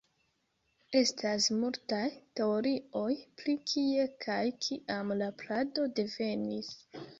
Estas multaj teorioj pri kie kaj kiam la plado devenis.